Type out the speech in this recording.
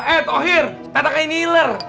eh tohir katakan ini iler